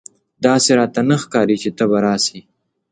داسي راته نه ښکاري چې ته به راسې !